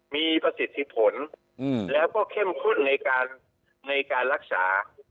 มีประสิทธิผลแล้วก็เข้มข้นในการรักษา